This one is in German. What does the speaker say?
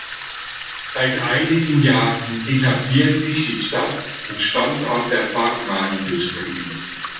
Seit einigen Jahren etabliert sich die Stadt als Standort der Pharmaindustrie.